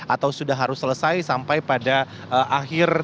atau sudah harus selesai sampai pada akhir